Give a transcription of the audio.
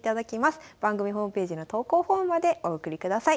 番組ホームページの投稿フォームまでお送りください。